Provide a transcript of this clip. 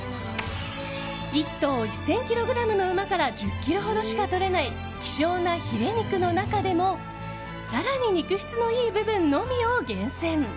１頭１０００ｋｇの馬から１０ｋｇほどしかとれない希少なヒレ肉の中でも更に肉質のいい部分のみを厳選。